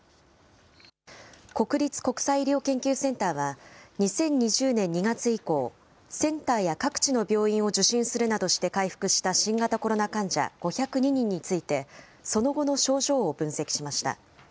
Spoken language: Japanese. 国立国際医療研究センターは、２０２０年２月以降、センターや各地の病院を受診するなどして回復した新型コロナ患者５０２人について、その後の症状を分析しました。